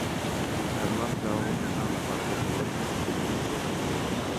چهارمغز د هغو کسانو لپاره ګټور دي چې د وینې لوړ فشار لري.